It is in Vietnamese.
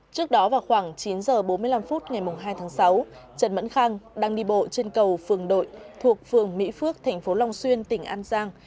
trước đó vào khoảng chín h bốn mươi năm phút ngày hai tháng sáu trần mẫn khang đang đi bộ trên cầu phường đội thuộc phường mỹ phước thành phố long xuyên tỉnh an giang